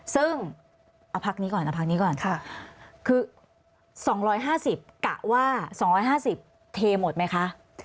ซึ่งเอาพักนี้ก่อนคือ๒๕๐กะว่า๒๕๐เทหมดไหมคะ